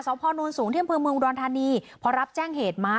สาวพอร์โน้นสูงเที่ยวเมืองอุดรฐานีพอรับแจ้งเหตุมา